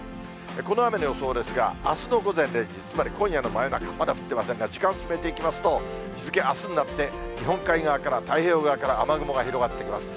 この雨の予想ですが、あすの午前０時、つまり今夜の真夜中、まだ降ってませんが、時間進めていきますと、日付、あすになって、日本海側から、太平洋側から雨雲が広がってきます。